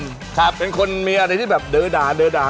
ตั้งคือเป็นคนมีอะไรที่เดอะดา